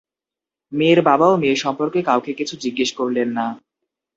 মেয়ের বাবাও মেয়ে সম্পর্কে কাউকে কিছু জিজ্ঞেস করলেন না।